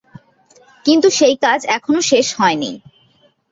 কিন্তু সেই কাজ এখনও শেষ হয়নি।